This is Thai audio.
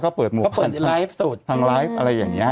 ก็เปิดหมวกทางไลฟ์อะไรอย่างนี้